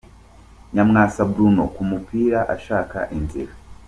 Nyamwasa Bruno ku mupira ashaka inzira .